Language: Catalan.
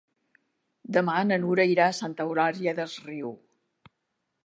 Demà na Nura irà a Santa Eulària des Riu.